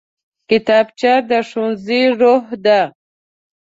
کتابچه د ښوونځي روح ده